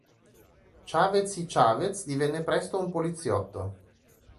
Chavez y Chavez divenne presto un poliziotto.